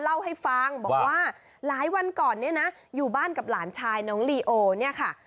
เล่าให้ฟังบอกว่าหลายวันก่อนเนี่ยนะอยู่บ้านกับหลานชายน้องลีโอเนี่ยค่ะ